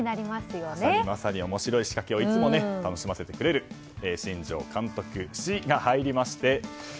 まさに面白い仕掛けでいつも楽しませてくれる新庄監督「シ」が入りまして